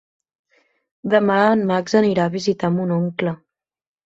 Demà en Max anirà a visitar mon oncle.